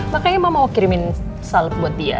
makanya mama mau kirimin salf buat dia